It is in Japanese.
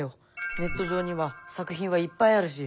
ネット上には作品はいっぱいあるし。